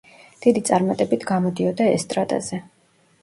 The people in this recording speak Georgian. დიდი წარმატებით გამოდიოდა ესტრადაზე.